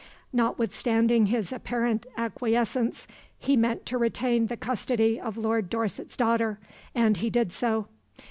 Notwithstanding his apparent acquiescence, he meant to retain the custody of Lord Dorset's daughter, and he did so.